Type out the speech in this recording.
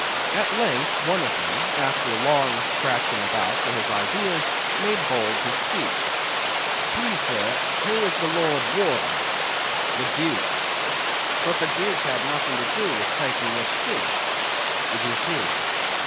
At length one of them, after long scratching about for his ideas, made bold to speak, "Please, sir, who is the Lord Warden?" "The Duke." "But the duke had nothing to do with taking this fish?" "It is his."